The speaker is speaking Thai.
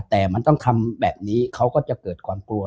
แต่มันต้องทำแบบนี้เขาก็จะเกิดความกลัว